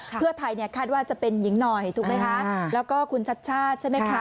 เพื่อไทยเนี่ยคาดว่าจะเป็นหญิงหน่อยถูกไหมคะแล้วก็คุณชัดชาติใช่ไหมคะ